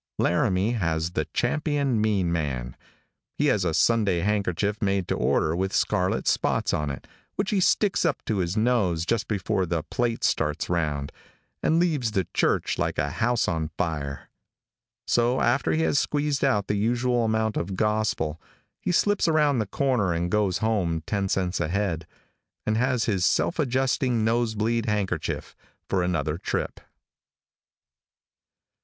|LARAMIE has the champion mean man. He has a Sunday handkerchief made to order with scarlet spots on it, which he sticks up to his nose just before the plate starts round, and leaves the church like a house on fire. So after he has squeezed out the usual amount of gospel, he slips around the corner and goes home ten cents ahead, and has his self adjusting nose bleed handkerchief for another trip.